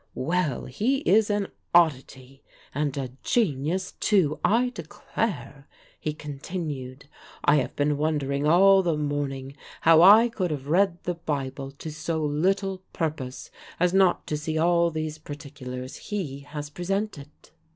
"Well, he is an oddity and a genius too, I declare!" he continued. "I have been wondering all the morning how I could have read the Bible to so little purpose as not to see all these particulars he has presented."